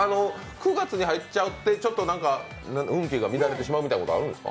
９月に入っちゃって運気が乱れてしまうみたいなこと、あるんですか？